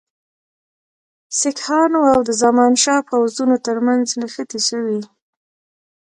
سیکهانو او د زمانشاه پوځونو ترمنځ نښتې سوي.